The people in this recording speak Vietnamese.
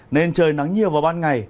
nên trời nắng nhiều vào ban ngày